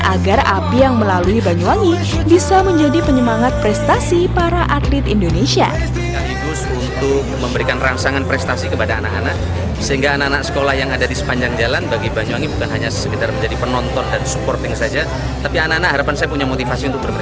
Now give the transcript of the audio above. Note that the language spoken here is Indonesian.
agar api yang melalui banyuwangi bisa menjadi penyemangat prestasi para atlet indonesia